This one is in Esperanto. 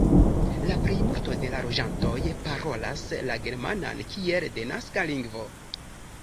La plejmulto de la loĝantoj parolas la germanan kiel denaska lingvo.